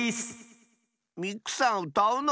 ミクさんうたうの？